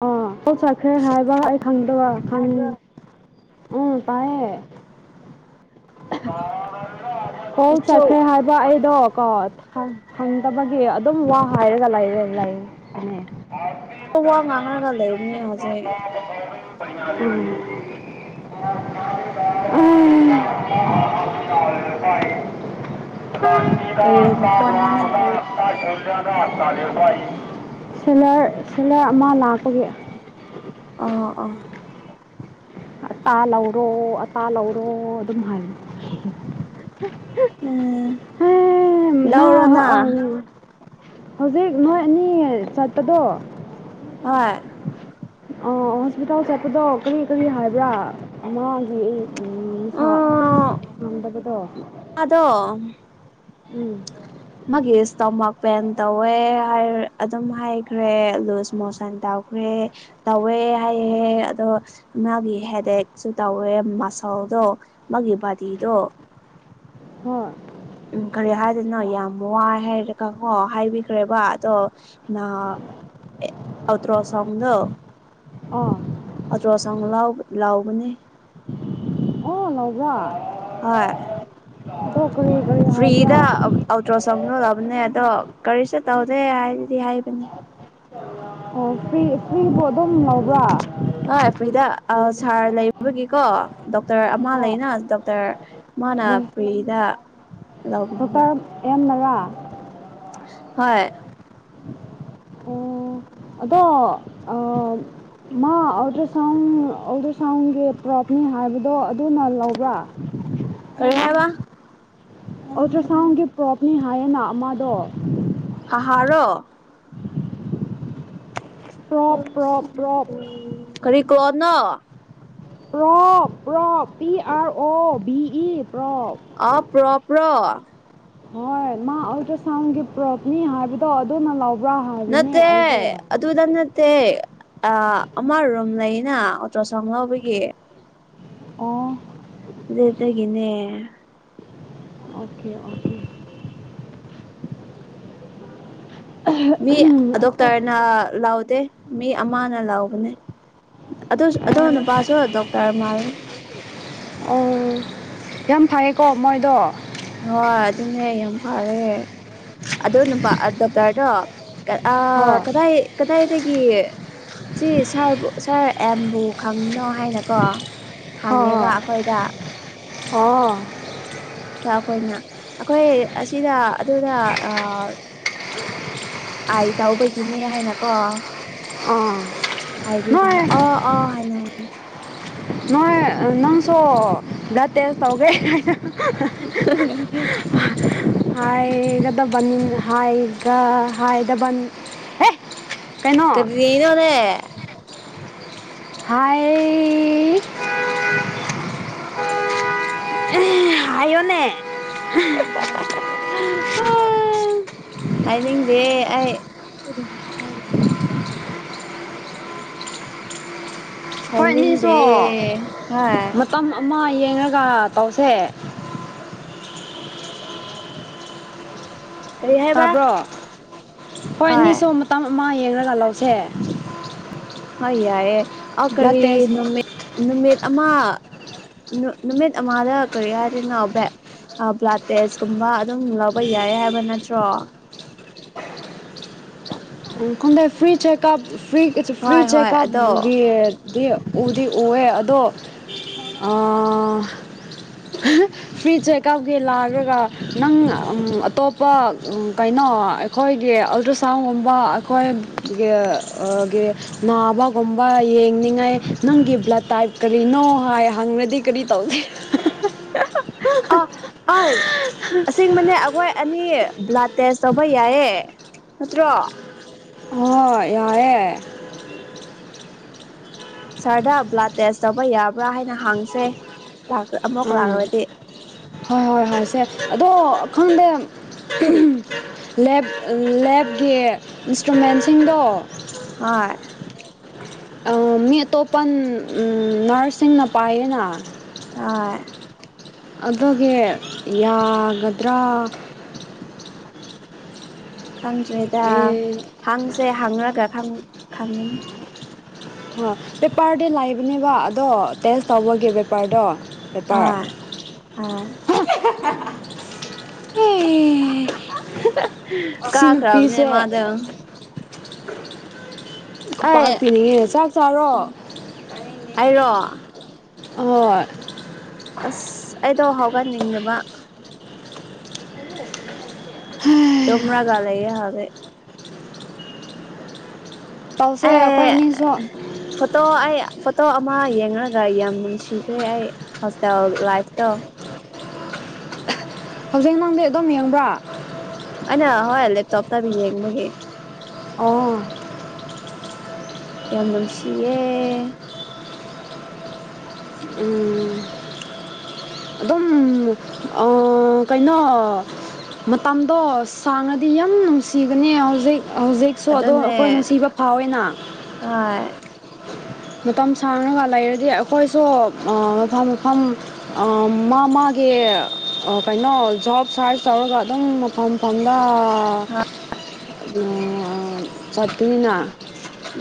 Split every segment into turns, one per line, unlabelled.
ꯑꯣ ꯄꯣꯠ ꯆꯠꯈ꯭ꯔꯦ ꯍꯥꯏꯕ ꯑꯩ ꯈꯪꯗꯕ ꯈꯪ ꯎꯝ ꯇꯥꯏꯌꯦ ꯐꯧ
ꯑꯩꯁꯨ
ꯆꯠꯈ꯭ꯔꯦ ꯍꯥꯏꯕ ꯑꯩꯗꯣ ꯀꯣ ꯐꯪ ꯐꯪꯗꯕꯒꯤ ꯑꯗꯨꯝ ꯋꯥ ꯍꯥꯏꯔꯒ ꯂꯩꯔꯦ ꯂꯩꯕꯅꯦ
ꯎ ꯋꯥ ꯉꯥꯡꯔꯒ ꯂꯩꯕꯅꯦ ꯍꯧꯖꯤꯛ
[unintelligible] [unintelligible]
[unintelligible]
[unintelligible] [unintelligible] ꯁꯤꯂꯔ
ꯃꯈꯣꯟꯅꯣꯅꯦ
ꯁꯤꯂꯔ ꯑꯃ ꯂꯥꯛꯄꯒꯤ
ꯑꯥ ꯑꯥ
ꯑꯇꯥ ꯂꯧꯔꯣ ꯑꯇꯥ ꯂꯧꯔꯣ ꯑꯗꯨꯝ ꯍꯥꯏꯕꯅꯦ
ꯑꯥ
ꯅꯪ
ꯂꯧꯔꯣꯅꯥ
ꯑꯪ ꯍꯧꯖꯤꯛ ꯅꯣꯏ ꯑꯅꯤ ꯆꯠꯄꯗꯣ
[unintelligible]
ꯑꯣ ꯍꯣꯁꯄꯤꯇꯥꯜ ꯆꯠꯄꯗꯣ ꯀꯔꯤ ꯀꯔꯤ ꯍꯥꯏꯕ꯭ꯔꯥ ꯃꯥꯒꯤ ꯎꯝ ꯃꯁꯥ
ꯎꯝ
ꯉꯝꯗꯕꯗꯣ
[unintelligible]
ꯎꯝ
ꯃꯥꯒꯤ ꯁ꯭ꯇꯣꯃꯥꯛ ꯄꯦꯟ ꯇꯧꯋꯦ ꯍꯥꯏꯔꯦ ꯑꯗꯨꯝ ꯍꯥꯏꯈ꯭ꯔꯦ ꯂꯨꯁ ꯁꯃꯣꯜꯁꯟ ꯇꯧꯈ꯭ꯔꯦ ꯇꯧꯋꯦ ꯍꯥꯏꯌꯦ ꯑꯗꯣ ꯃꯥꯒꯤ ꯍꯦꯗꯦꯛꯁꯨ ꯇꯧꯋꯦ ꯃꯁꯜꯗꯣ ꯃꯥꯒꯤ ꯕꯥꯗꯤꯗꯣ
ꯍꯣꯏ
ꯎꯝ ꯀꯔꯤ ꯍꯥꯏꯗꯅꯣ ꯌꯥꯝ ꯋꯥꯏ ꯍꯥꯏꯔꯒꯀꯣ ꯍꯥꯏꯕꯤꯈ꯭ꯔꯦꯕ ꯑꯗꯣ ꯅꯥ ꯑꯦ ꯑꯜꯇ꯭ꯔꯥꯁꯥꯎꯟꯗꯣ
ꯑꯥ
ꯑꯜꯇ꯭ꯔꯁꯥꯎꯟ ꯂꯥꯎ ꯂꯧꯕꯅꯦ
ꯑꯣ ꯂꯧꯕ꯭ꯔꯥ
ꯍꯣꯏ
ꯑꯗꯣ ꯀꯔꯤ ꯀꯔꯤ ꯍꯥꯏꯕ꯭ꯔꯥ
ꯐ꯭ꯔꯤꯗ ꯑꯜꯇ꯭ꯔꯁꯥꯎꯟ ꯂꯧꯂꯕꯅꯦ ꯑꯗꯣ ꯀꯔꯤꯁꯨ ꯇꯧꯗꯦ ꯍꯥꯏꯗꯤ ꯍꯥꯏꯕꯅꯦ
ꯑꯣ ꯐꯔꯤ ꯐ꯭ꯔꯤꯕꯨ ꯑꯗꯨꯝ ꯂꯧꯕ꯭ꯔꯥ
ꯍꯣꯏ ꯐ꯭ꯔꯤꯗ ꯑ ꯁꯥꯔ ꯂꯩꯕꯒꯤꯀꯣ ꯗꯣꯛꯇꯔ ꯑꯃ
ꯍꯣꯏ
ꯂꯩꯅ ꯗꯣꯛꯇꯔ ꯃꯥꯅ
ꯃꯣꯏ
ꯐ꯭ꯔꯤꯗ ꯂꯧꯕꯤꯕ
ꯗꯣꯛꯇꯔ ꯑꯦꯝꯃꯔꯥ
ꯍꯣꯏ
ꯑꯣ ꯑꯗꯣ ꯑ ꯃꯥ ꯑꯜꯗ꯭ꯔꯥꯁꯥꯎꯟ ꯑꯣꯗꯔ ꯁꯥꯎꯟꯒꯤ ꯄꯨꯔꯛꯀꯅꯤ ꯍꯥꯏꯕꯗꯣ ꯑꯗꯨꯅ ꯂꯧꯕ꯭ꯔꯥ
ꯀꯩ ꯍꯥꯏꯕ
ꯑꯜꯇ꯭ꯔꯥꯁꯥꯎꯟꯒꯤ ꯄꯣꯔꯛꯀꯅꯤ ꯍꯥꯏꯌꯦꯅ ꯑꯃꯗꯣ
ꯑꯍꯥꯔꯣ
ꯄ꯭ꯔꯣꯞ ꯄ꯭ꯔꯣꯞ ꯄ꯭ꯔꯣꯞ
[unintelligible] ꯀꯔꯤ ꯀꯣꯟꯅꯣ
probe probe P R O B E probe
ꯑ ꯄ꯭ꯔꯣꯞ ꯄ꯭ꯔꯣ
ꯍꯣꯏ ꯃꯥ ꯑꯜꯇ꯭ꯔꯁꯥꯎꯟꯒꯤ ꯄ꯭ꯔꯣꯞꯅꯤ ꯍꯥꯏꯕꯗꯣ ꯑꯗꯨꯅ ꯂꯧꯕ꯭ꯔꯥ ꯍꯥꯏꯕꯅꯦ
ꯅꯠꯇꯦ
ꯑꯩꯗꯤ
ꯑꯗꯨꯗ ꯅꯠꯇꯦ ꯑ ꯑꯃ ꯔꯨꯝ ꯂꯩꯅ ꯑꯜꯇ꯭ꯔꯥꯁꯥꯎꯟ ꯂꯧꯕꯒꯤ
ꯑꯣ
ꯑꯗꯨꯗꯒꯤꯅꯦ
ꯑꯣꯀꯦ ꯑꯣꯀꯦ
ꯃꯤ
ꯑꯩꯈꯣꯏ
ꯗꯣꯛꯇꯔꯅ ꯂꯥꯎꯗꯦ ꯃꯤ ꯑꯃꯅ ꯂꯥꯎꯕꯅꯦ ꯑꯗꯨꯁꯨ ꯑꯗꯨ
ꯑꯦ
ꯅꯨꯄꯥꯁꯨ ꯗꯣꯛꯇꯔ ꯃꯥꯜꯂ‌ꯦ
ꯑꯣ ꯌꯥꯝ ꯐꯩꯌ‌ꯦꯀꯣ ꯃꯣꯏꯗꯣ
ꯍꯣꯏ ꯑꯗꯨꯅꯦ ꯌꯥꯝ ꯐꯔꯦ ꯑꯗꯣ ꯅꯨꯄꯥ ꯗꯣꯛꯇꯔꯗꯣ ꯑ
ꯍꯣꯏ
ꯀꯗꯥꯏ ꯀꯗꯥꯏꯗꯒꯤ ꯁꯤ ꯁꯥꯔꯕꯨ ꯁꯥꯔ ꯑꯦꯝꯕꯨ ꯈꯪꯕꯅꯣ ꯍꯥꯏꯅ ꯀꯣ
ꯍꯣꯏ
ꯍꯪꯉꯦꯕ
ꯍꯣꯏ
ꯑꯩꯈꯣꯏꯗ
ꯑꯣ
ꯑꯩꯈꯣꯏꯅ ꯑꯩꯈꯣꯏ ꯑꯁꯤꯗ ꯑꯗꯨꯗ ꯑꯥ ꯑꯥꯏ ꯇꯧꯕꯒꯤꯅꯦ ꯍꯥꯏꯅꯀꯣ
ꯑꯥ ꯅꯣꯏ
ꯍꯥꯏꯕꯤꯕꯅ ꯑꯣ ꯑꯣ ꯍꯥꯏꯅ ꯍꯥꯏꯅꯦ
ꯅꯣꯏ ꯅꯪꯁꯨ ꯕ꯭ꯂꯠ ꯇ‌ꯦꯖ ꯇꯧꯒ‌ꯦ ꯍꯥꯏꯅ [unintelligible] ꯍꯥꯏꯒꯗꯕꯅꯤ ꯍꯥꯏꯒ ꯍꯥꯏꯗꯕꯅꯤ ꯑꯦ ꯀꯩꯅꯣ
ꯀ꯭ꯔꯤꯅ‌ꯣꯅ‌ꯦ
ꯍꯥꯏ ꯍꯥꯏꯌꯣꯅꯦ
[unintelligible] ꯍꯥꯏꯅꯤꯡꯗꯦ ꯑꯩ
ꯍꯣꯏ ꯑꯅꯤꯁꯨ
ꯍꯥꯏꯅꯤꯡꯗꯦ ꯍꯥꯏ
ꯃꯇꯝ ꯑꯃ ꯌꯦꯡꯉꯒ ꯇꯧꯁꯦ
[inaudible] ꯀꯔꯤ ꯍꯥꯏꯕ
ꯇꯥꯕ꯭ꯔꯣ
ꯍꯣꯏ
ꯈ‌ꯣꯏꯅꯤꯁꯨ ꯃꯇꯝ ꯑꯃ ꯌꯦꯡꯉꯒ ꯂꯧꯁꯦ
ꯍꯣꯏ ꯌꯥꯏꯌ‌ꯦ ꯑ
ꯕ꯭ꯂꯠ
ꯀꯔꯤ
ꯇꯦꯁ
ꯅꯨꯃꯤꯠ ꯅꯨꯃꯤꯠ ꯑꯃ ꯅꯨꯃꯤꯠ ꯑꯃꯗ ꯀꯔꯤ ꯍꯥꯏꯗ‌ꯣꯏꯅ‌ꯣ ꯕ‌ꯦꯠ ꯕ꯭ꯂꯠꯗ ꯇꯦꯁꯀꯨꯝꯕ ꯑꯗꯨꯝ ꯂꯧꯕ ꯌꯥꯏ ꯍꯥꯏꯕ ꯅꯠꯇ꯭ꯔꯣ
ꯈꯪꯗ‌ꯦ ꯐ꯭ꯔꯤ ꯆꯦꯀꯞ ꯐꯔꯤ ꯐ꯭ꯔꯤ
ꯍꯣꯏ ꯍꯣꯏ ꯑꯗꯣ
ꯆꯦꯀꯞꯀꯤ ꯎꯗꯤ ꯎꯋꯦ ꯑꯗꯣ ꯐ꯭ꯔꯤ ꯆꯦꯛꯑꯞꯒꯤ ꯂꯥꯛꯔꯒ ꯅꯪ ꯑꯇꯣꯞꯄ ꯀꯩꯅꯣ ꯑꯩꯈꯣꯏꯒꯤ ꯑꯜꯇ꯭ꯔ ꯁꯥꯎꯟꯒꯨꯝꯕ ꯑꯩꯈꯣꯏ ꯅꯥꯕꯒꯨꯝꯕ ꯌꯦꯡꯅꯤꯡꯉꯥꯏ ꯅꯪꯒꯤ ꯕ꯭ꯂꯠ ꯇꯥꯏꯞ ꯀꯔꯤꯅꯣ ꯍꯥꯏ ꯍꯪꯔꯗꯤ ꯀꯔꯤ ꯇꯧꯅꯤ
[unintelligible] ꯑꯁꯦꯡꯕꯅꯦ ꯑꯩꯈꯣꯏ ꯑꯅꯤ ꯕ꯭ꯂꯥꯠ ꯇꯦꯁ ꯇꯧꯕ ꯌꯥꯏꯌꯦ ꯅꯠꯇ꯭ꯔꯣ
ꯍ‌ꯣꯏ ꯌꯥꯏꯌ‌ꯦ
ꯁꯥꯔꯗ ꯕ꯭ꯂꯥꯠ ꯇꯦꯁ ꯇꯧꯕ ꯌꯥꯕ꯭ꯔꯥ ꯍꯥꯏꯅ ꯍꯪꯁꯦ ꯑꯃꯨꯛ
ꯎꯝ
ꯂꯥꯛ꯭ꯔꯗꯤ
ꯍꯣꯏ ꯍꯣꯏ ꯍꯪꯁꯦ ꯑꯗꯣ ꯈꯪꯗꯦ ꯂꯦꯞ ꯂ‌ꯦꯞꯀꯤ ꯏꯟꯁꯇ꯭ꯔꯨꯃꯦꯟꯁꯤꯡꯗꯣ
ꯍꯣꯏ
ꯃꯤ ꯑꯇꯣꯞꯄꯟ ꯅꯔꯁꯁꯤꯡꯅ ꯄꯥꯏꯌꯦꯅ
ꯍ‌ꯣꯏ
ꯑꯗꯨꯒꯤ ꯌꯥꯒꯗ꯭ꯔꯥ
ꯈꯪꯗ꯭ꯔꯦꯗ
ꯑꯩ
ꯍꯪꯁꯦ ꯍꯪꯔꯒ ꯈꯪ ꯈꯪꯉꯅꯤ
ꯄꯦꯄꯔꯗꯤ ꯂꯩꯕꯅꯦꯕ ꯑꯗꯣ ꯇꯦꯁ ꯇꯧꯕꯒꯤ ꯄꯦꯄꯔꯗꯣ ꯄꯦꯄꯔ
[unintelligible]
[unintelligible]
ꯀꯥ
ꯁꯤ
ꯈꯔꯕꯅꯦ
ꯅꯨꯄꯤꯁꯦ
ꯃꯥꯗ‌ꯣ
ꯈꯨꯄꯥꯛ
ꯑꯩ
ꯄꯤꯅꯤꯡꯉꯦ ꯆꯥꯛ ꯆꯥꯔꯣ
ꯑꯩꯔꯣ
ꯍꯣꯏ
ꯑꯁ ꯑꯩꯗꯣ ꯍꯧꯒꯠꯅꯤꯡꯗꯕ
ꯍꯥꯝ
[unintelligible] ꯂꯩꯌꯦ ꯍꯧꯖꯤꯛ
ꯇꯧꯁꯦ ꯑꯩꯈꯣꯏ
ꯑꯦ
ꯑꯅꯤꯁꯨ꯫
ꯐꯣꯇꯣ ꯑꯩ ꯐꯣꯇꯣ ꯑꯃ ꯌꯦꯡꯔꯒ ꯌꯥꯝ ꯅꯨꯡꯁꯤꯈ꯭ꯔꯦ ꯑꯩ ꯍꯣꯁꯇꯦꯜ ꯂꯥꯏꯐꯇꯣ꯫
ꯍꯧꯖꯤꯛ ꯅꯪꯗꯤ ꯑꯗꯨꯝ ꯌꯦꯡꯕ꯭ꯔꯥ?
ꯑꯩꯅ ꯍꯣꯏ ꯂꯦꯞꯇꯣꯞꯇꯕꯨ ꯌꯦꯡꯕꯒꯤ꯫
ꯑꯣ
ꯌꯥꯝ ꯅꯨꯡꯁꯤꯌꯦ꯫
ꯎꯝ ꯑꯗꯨꯝ ꯑ ꯀꯩꯅꯣ ꯃꯇꯝꯗꯣ ꯁꯥꯡꯉꯗꯤ ꯌꯥꯝ ꯅꯨꯡꯁꯤꯕꯅꯦ ꯍꯧꯖꯤꯛ꯫ ꯍꯧꯖꯤꯛꯁꯨ ꯑꯗꯣ
ꯑꯗꯨꯅꯦ
ꯑꯩꯈꯣꯏ ꯅꯨꯡꯁꯤꯕ ꯐꯥꯎꯋꯦꯅ꯫
ꯍꯣꯏ
ꯃꯇꯝ ꯁꯥꯡꯔꯒ ꯂꯩꯔꯗꯤ ꯑꯩꯈꯣꯏꯁꯨ ꯃꯐꯝ ꯃꯐꯝ ꯑꯝ ꯃꯥ ꯃꯥꯒꯤ ꯀꯩꯅꯣ ꯖꯣꯕ ꯁꯥꯔꯁ ꯇꯧꯔꯒ ꯑꯗꯨꯝ [unintelligible]
[inaudible]
[unintelligible]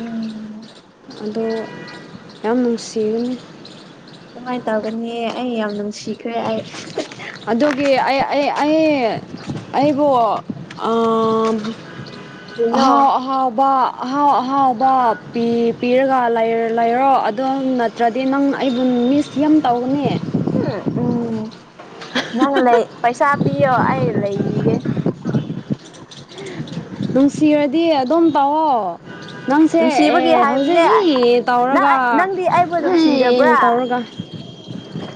ꯎꯝ
ꯑꯗꯣ ꯌꯥꯝ ꯅꯨꯡꯁꯤꯒꯅꯤ꯫
ꯑꯗꯨꯃꯥꯏꯅ ꯇꯧꯒꯅꯤ ꯑꯩ ꯌꯥꯝ ꯅꯨꯡꯁꯤꯈ꯭ꯔꯦ ꯑꯩ꯫
ꯑꯗꯨꯒꯤ ꯑꯩ ꯑꯩ꯫ ꯑꯩꯕꯨ ꯑ-
ꯀꯔꯤꯅꯣ
ꯑꯍꯥꯎ-ꯑꯍꯥꯎꯕ ꯑꯍꯥꯎ ꯑꯍꯥꯎꯕ ꯄꯤ- ꯄꯤꯔꯒ ꯂꯩꯔꯣ ꯑꯗꯣꯝꯅ ꯅꯠꯇ꯭ꯔꯗꯤ ꯅꯪ ꯑꯩꯕꯨ ꯃꯤꯁ ꯌꯥꯝ ꯇꯧꯒꯅꯤ꯫
ꯍꯨꯝ ꯎꯝ ꯅꯪ ꯂꯩ ꯄꯩꯁꯥ ꯄꯤꯌꯣ ꯑꯩ ꯂꯩꯕꯤꯒꯦ꯫
ꯅꯨꯡꯁꯤꯔꯗꯤ ꯑꯗꯨꯝ ꯇꯧꯑꯣ꯫ ꯅꯪꯁꯦ ꯑꯦ
ꯅꯨꯡꯁꯤꯕꯒꯤ
ꯍꯧꯖꯤꯛ
ꯍꯥꯏꯕꯅꯦ
ꯍꯤ
ꯅꯪ
ꯇꯧꯔꯒ
ꯅꯪꯗꯤ ꯑꯩꯕꯨ
ꯑꯦ
ꯅꯨꯡꯁꯤꯗꯕ꯭ꯔꯥ
ꯇꯧꯔꯒ
[inaudible]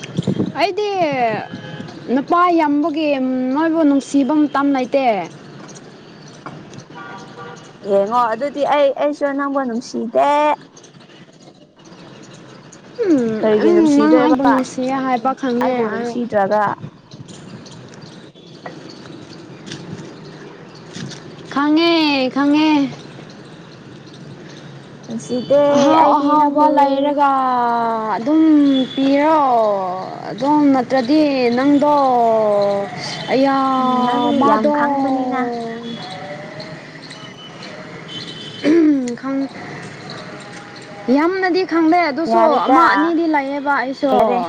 ꯑꯩꯗꯤ ꯅꯨꯄꯥ ꯌꯥꯝꯕꯒꯤ ꯃꯣꯏꯕꯨ ꯅꯨꯡꯁꯤꯕ ꯃꯇꯝ ꯂꯩꯇꯦ꯫ [inaudible]
ꯌꯦꯡꯉꯣ ꯑꯗꯨꯗꯤ ꯑꯩ ꯑꯩꯁꯨ ꯅꯪꯕꯨ ꯅꯨꯡꯁꯤꯗꯦ꯫
ꯎꯝ
ꯀꯔꯤꯒꯤ
ꯑꯩ ꯅꯪ
ꯅꯨꯡꯁꯤꯗꯣꯏꯕ
ꯑꯩꯕꯨ ꯅꯨꯡꯁꯤ ꯍꯥꯏꯕ ꯈꯪꯉꯦ꯫
ꯖꯒꯥ꯫
ꯈꯪꯉꯦ- ꯈꯪꯉꯦ
[unintelligible]
ꯑꯍꯥꯎ-
ꯑꯩꯗꯤ
ꯑꯍꯥꯎꯕ
ꯅꯪꯕꯨ
ꯂꯩꯔꯒ ꯑꯗꯨꯝ ꯄꯤꯔꯣ ꯑꯗꯨꯝ ꯅꯠꯇ꯭ꯔꯗꯤ ꯅꯪꯗꯣ ꯑꯌꯥ
ꯎꯝ ꯅꯪꯗꯤ ꯌꯥꯝ
ꯃꯥꯗꯣ꯫
ꯈꯪꯕꯅꯤꯅ
ꯎꯝ ꯈꯪ- ꯌꯥꯝꯅꯗꯤ ꯈꯪꯪꯗꯦ꯫ ꯑꯗꯨꯁꯨ ꯑꯃ
ꯌꯥꯔꯦꯗ
ꯑꯅꯤꯗꯤ ꯂꯩꯌꯦꯕ ꯑꯩꯁꯨ꯫
ꯌꯥꯔꯦ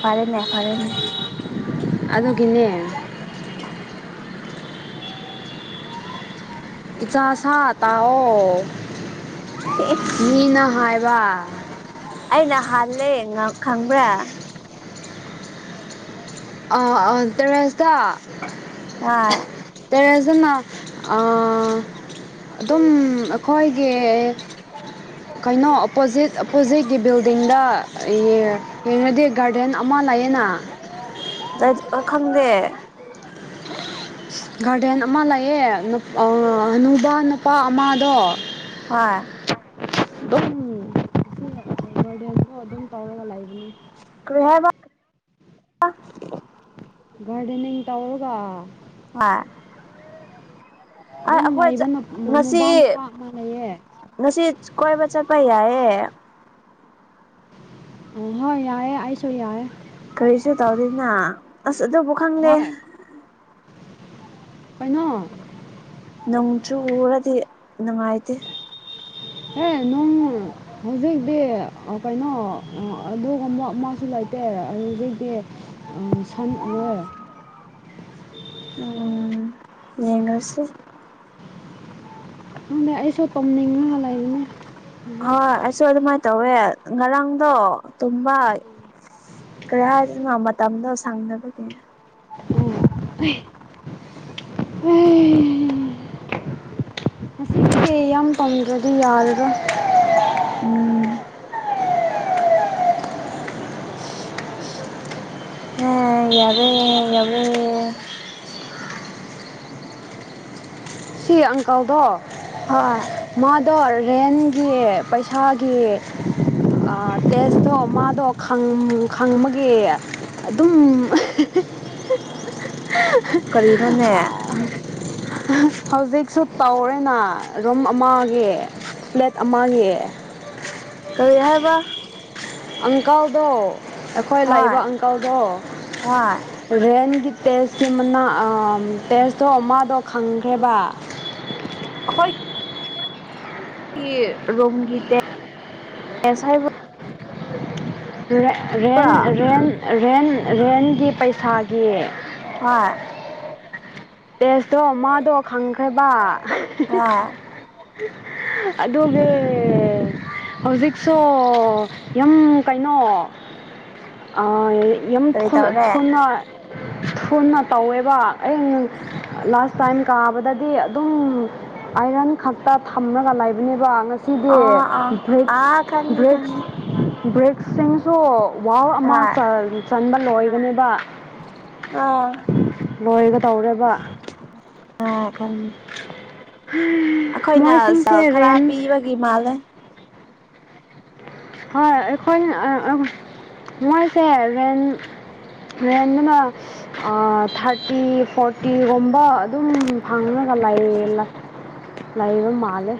ꯐꯔꯦꯅꯦ ꯐꯔꯦꯅꯦ꯫
ꯑꯗꯨꯒꯤꯅꯦ ꯏꯆꯥ ꯁꯥ ꯇꯥꯎꯑꯣ ꯃꯤꯅ ꯍꯥꯏꯕ꯫
ꯑꯩꯅ ꯍꯥꯜꯂꯦ ꯉꯥꯛ-ꯈꯪꯕ꯭ꯔꯥ
ꯑ ꯑ ꯇꯦꯔꯁꯇ
ꯍꯥꯏ
ꯇꯦꯔꯦꯁꯇ ꯅ ꯑ ꯑꯗꯨꯝ ꯑꯩꯈꯣꯏꯒꯤ ꯀꯩꯅꯣ ꯑꯣꯄꯣꯖꯤꯠ ꯑꯣꯞꯄꯣꯖꯤꯠꯀꯤ ꯕꯤꯜꯗꯤꯡꯗ ꯌꯦꯡꯉꯗꯤ ꯒꯥꯔꯗꯦꯟ ꯑꯃ ꯂꯩꯑꯦꯅ
[unintelligible] ꯑꯥ ꯈꯪꯗꯦ
ꯒꯥꯔꯗꯦꯟ ꯑꯃ ꯂꯩꯌꯦ ꯅꯨꯄꯥ ꯅꯨꯡꯗꯥꯡ ꯅꯨꯄꯥ ꯑꯃꯗꯣ
ꯍꯣꯏ
ꯑꯗꯨꯝ [unintelligible] ꯒꯥꯔꯗꯦꯟꯗꯣ ꯑꯗꯨꯝ ꯇꯧꯔꯒ ꯂꯩꯥꯛꯕꯅꯦ
ꯀꯔꯤ ꯍꯥꯏꯕ
ꯒꯥꯔꯗꯦꯟꯅꯤꯡ ꯇꯧꯔꯒ
ꯍꫭꯏ
ꯑꯗꯨꯝ ꯂꯩꯕ
ꯉꯁꯤ
ꯅꯨꯄꯥ ꯅꯨꯄꯥ ꯑꯃ ꯂꯩꯌꯦ
ꯉꯁꯤ ꯀꯣꯏꯕ ꯆꯠꯄ ꯌꯥꯏꯌꯦ
ꯎꯝ ꯍꯣꯏ ꯌꯥꯏꯑꯦ ꯑꯩꯁꯨ ꯌꯥꯏꯑꯦ
ꯀꯔꯤꯁꯨ ꯇꯧꯗꯦꯅ ꯑꯁ ꯑꯗꯨꯕꯨ ꯈꯪꯗꯦ
ꯍꫭꯏ ꯀꯩꯅꯣ
ꯅꯣꯡꯆꯨꯔꯗꯤ ꯅꯨꯡꯉꯥꯏꯇꯦ
ꯍꯦ ꯅꯨꯡ ꯍꯧꯖꯤꯛꯇꯤ ꯀꯩꯅꯣ ꯑꯗꯨꯒꯕ ꯑꯃꯁꯨ ꯂꯩꯇꯦ ꯍꯧꯖꯤꯛꯇꯤ ꯑꯥ ꯁꯥꯟ ꯑꯣꯌꯦ
ꯎꯝ꯫ ꯌꯦꯡꯅꯁꯤ
ꯈꯪꯗꯦ ꯑꯩꯁꯨ ꯇꯨꯝꯅꯤꯡꯉꯒ ꯂꯩꯕꯅꯤ
ꯍꯣꯏ ꯑꯩꯁꯨ ꯑꯗꯨꯃꯥꯏꯅ ꯇꯧꯋꯦ ꯉꯔꯥꯡꯗꯣ ꯇꯨꯝꯕ ꯀꯔꯤ ꯍꯥꯏꯁꯤꯅꯣ ꯃꯇꯝꯗꯣ ꯁꯪꯗꯕꯒꯤ
ꯑꯦ [unintelligible] ꯉꯁꯤꯁꯦ ꯌꯥꯝ ꯄꯥꯝꯗ꯭ꯔꯗꯤ ꯌꯥꯗ꯭ꯔꯣ
ꯎꯝ ꯑꯦ ꯌꯥꯔꯦ ꯌꯥꯎꯔꯦ
ꯁꯤ ꯑꯪꯀꯜꯗꯣ
ꯍꯣꯏ
ꯃꯥꯗꯣ ꯔꯦꯟꯒꯤ ꯄꯩꯁꯥꯒꯤ ꯑꯥ ꯇꯦꯁꯇꯣ ꯃꯥꯗꯣ ꯈꯪꯃꯒꯦ ꯑꯗꯨꯝ
ꯀꯔꯤꯅꯣꯅꯦ
ꯍꯧꯖꯤꯛꯁꯨ ꯇꯧꯔꯦꯅ ꯔꯨꯝ ꯑꯃꯒꯤ ꯐ꯭ꯂꯦꯠ ꯑꯃꯒꯤ
ꯀꯔꯤ ꯍꯥꯏꯕ
ꯑꯪꯀꯜꯗꯣ ꯑꯩꯈꯣꯏ
ꯍꯣꯏ
ꯂꯩꯕ ꯑꯪꯀꯜꯗꯣ
ꯍꯣꯏ
ꯔꯦꯟꯒꯤ ꯇꯦꯁꯀꯤ ꯃꯅꯥ ꯇꯦꯁꯇꯣ ꯃꯥꯗꯦ ꯈꯪꯈ꯭ꯔꯦꯕ
ꯁꯤꯒꯤ ꯔꯨꯝꯒꯤ ꯇꯦꯁ ꯍꯥꯏꯕꯔꫭ
ꯔꯦꯟ
ꯍꯣꯏ
ꯔꯦꯟ ꯔꯦꯟ ꯔꯦꯟꯒꯤ ꯄꯩꯁꯥꯒꯤ
ꯍꯣꯏ
ꯇꯦꯁꯇꯣ ꯃꯥꯗꯣ ꯈꯪꯈ꯭ꯔꯦꯕ
ꯍꯣꯏ
ꯑꯗꯨꯒꯤ ꯍꯧꯖꯤꯛꯁꯨ ꯌꯥꯝ ꯀꯩꯅꯣ ꯑꯥ ꯌꯥꯝ
ꯀꯔꯤ ꯇꯧꯔꯦ
ꯊꯨꯅ ꯊꯨꯅ ꯇꯧꯋꯦꯕ ꯑꯩ ꯂꯥꯁ ꯇꯥꯏꯝ ꯀꯥꯕꯗꯗꯤ ꯑꯗꯨꯝ ꯑꯥꯏꯔꯟ ꯈꯛꯇ ꯊꯝꯂꯒ ꯂꯩꯕꯅꯦꯕ ꯉ ꯁꯤꯗꯤ
ꯑꯥ ꯑꯥ
ꯕ꯭ꯔꯦꯛꯁ
ꯑꯥ ꯈꯪꯉꯦ
ꯕ꯭ꯔꯦꯛꯁ
ꯈꯪꯉꯦ
ꯕ꯭ꯔꯦꯛ ꯁꯤꯡꯁꯨ ꯋꯥꯔ
ꯍꯣꯏ
ꯑꯃꯇꯥ ꯆꯟꯕ ꯂꯣꯏꯕꯅꯦꯕ
ꯑꯥ
ꯂꯣꯏꯒ ꯇꯧꯔꯦꯕ
ꯑꯥ ꯈꯥꯟ
ꯃꯣꯏꯁꯤꯡꯁꯦ ꯔꯦꯟ
ꯒꯤ ꯃꯥꯜꯂꯦ
ꯍꯣꯏ ꯑꯩꯈꯣꯏꯅ ꯑꯥ ꯑꯥ ꯃꯣꯏꯁꯦ ꯔꯦꯟꯠ ꯔꯦꯟ ꯑꯃꯥ ꯑꯥ ꯊꯥꯔꯇꯤ ꯐꯣꯔꯇꯤꯒꯨꯝꯕ ꯑꯗꯨꯝ ꯐꯪꯉꯒ ꯂꯩꯌꯦꯅ ꯂꯩꯕ ꯃꯥꯜꯂꯦ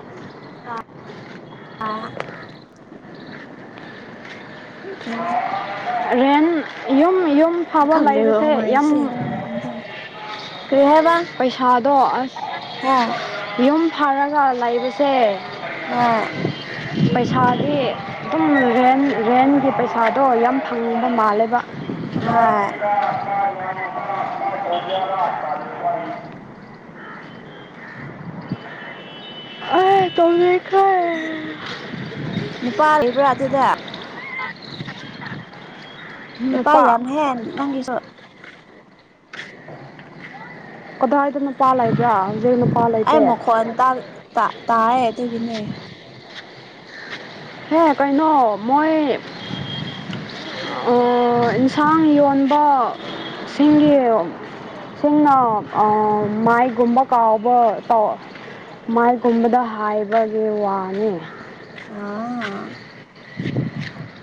ꯔꯦꯟꯠ ꯌꯨꯝ ꯌꯨꯝ ꯐꯕꯥ
ꯈꯪꯗ꯭ꯔꯦꯕ
ꯂꯩꯕꯁꯦ ꯌꯥꯝ
ꯍꯋꯥꯏꯁꯦ ꯀꯔꯤ ꯍꯥꯏꯕ
ꯄꯩꯁꯥꯗꯣ ꯑꯁ
ꯍꯣꯏ
ꯌꯨꯝ ꯐꯔꯒ ꯂꯩꯕꯁꯦ
[unintelligible]
ꯄꯩꯁꯥꯗꯤ ꯑꯗꯨꯝ ꯔꯦꯟ ꯔꯦꯟ ꯒꯤ ꯄꯩꯁꯥꯗꯣ ꯌꯥꯝ ꯐꯪꯕ ꯃꯥꯜꯂꯦꯕ
ꯍꯣꯏ
[unintelligible] ꯑꯩ [unintelligible]
ꯅꯨꯄꯥ ꯂꯩꯕ꯭ꯔꯥ ꯑꯗꯨꯗ
[unintelligible]
ꯅꯨꯄꯥꯥ ꯌꯥꯝꯃꯦꯍꯦ ꯅꯪꯒꯤꯁꯨ
ꯀꯗꯥꯏꯗ ꯅꯨꯄꯥ ꯂꯩꯕ꯭ꯔꯥ ꯍꯧꯖꯤꯛ ꯅꯨꯄꯥ ꯂꯩꯇꯦ
ꯐꯣꯟ [unintelligible] ꯇꯥ ꯇꯥꯏꯌꯦ ꯑꯗꯨꯒꯤꯅꯦ
ꯍꯦ ꯀꯩꯅꯣ ꯃꯣꯏ ꯑꯥ ꯏꯟꯁꯥꯡ ꯌꯣꯟꯕꯁꯤꯡꯒꯤ ꯁꯤꯡꯅ ꯑꯥ ꯃꯥꯏꯒꯨꯝꯕ ꯀꯥꯎꯕ ꯇꯧ ꯃꯥꯏꯒꯨꯝꯕꯗ ꯍꯥꯏꯕꯒꯤ ꯋꯥꯅꯦ
ꯑꯥ
[unintelligible]